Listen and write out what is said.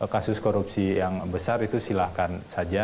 kasus korupsi yang besar itu silahkan saja